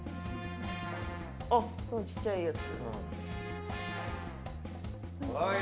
あっ、そのちっちゃいやつ。